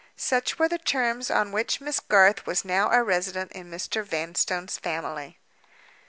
Such were the terms on which Miss Garth was now a resident in Mr. Vanstone's family.